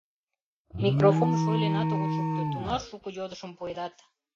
Микрофоныш ойленат огыт шукто — тунар шуко йодышым пуэдат.